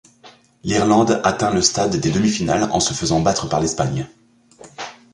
L'Irlande atteint le stade des demi-finales en se faisant battre par l'Espagne.